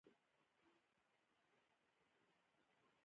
دقیقا معلوم نه وو څومره خلک مړه شول.